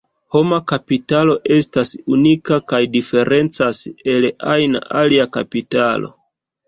Homa kapitalo estas unika kaj diferencas el ajna alia kapitalo.